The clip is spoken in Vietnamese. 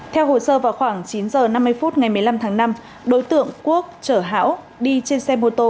theo hồ sơ vào khoảng chín giờ năm mươi phút ngày một mươi năm tháng năm đối tượng quốc trở hảo đi trên xe mô tô